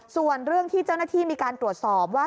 ส่วนเรื่องที่เจ้าหน้าที่มีการตรวจสอบว่า